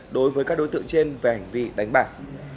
đối với các đối tượng trên về hành vi đánh bạc